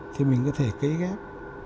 thì mình có thể cấy ghép